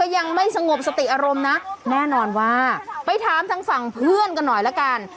ยังไม่สงบสติอารมณ์นะแน่นอนว่าไปถามทางฝั่งเพื่อนกันหน่อยละกัน